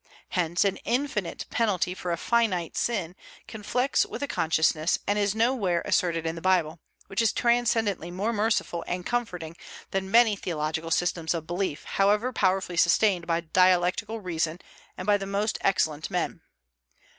Hence an infinite penalty for a finite sin conflicts with consciousness and is nowhere asserted in the Bible, which is transcendently more merciful and comforting than many theological systems of belief, however powerfully sustained by dialectical reasoning and by the most excellent men.